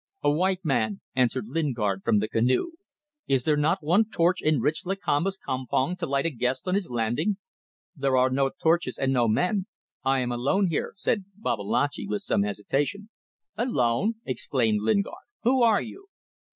"A white man," answered Lingard from the canoe. "Is there not one torch in rich Lakamba's campong to light a guest on his landing?" "There are no torches and no men. I am alone here," said Babalatchi, with some hesitation. "Alone!" exclaimed Lingard. "Who are you?"